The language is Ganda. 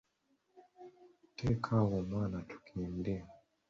Teeka awo omwana tugende.